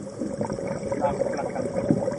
หลักประกัน